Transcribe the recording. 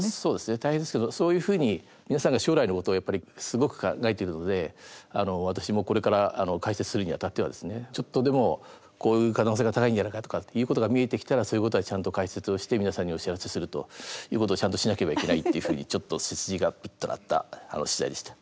大変ですけどそういうふうに皆さんが将来のことをやっぱりすごく考えているので私もこれから解説するにあたってはですねちょっとでもこういう可能性が高いんじゃないかとかっていうことが見えてきたらそういうことはちゃんと解説をして皆さんにお知らせするということをちゃんとしなければいけないっていうふうにちょっと背筋がぴっとなった取材でした。